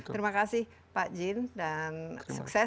terima kasih pak jin dan sukses